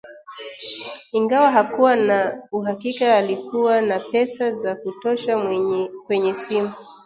ingawa hakuwa na uhakika alikuwa na pesa za kutosha kwenye simu